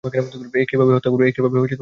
এ কিভাবে হত্যা করবে?